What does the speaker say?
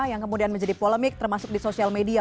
yang kemudian menjadi polemik termasuk di sosial media